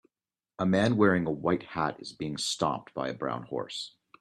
A man wearing a white hat is being stomped by a brown horse.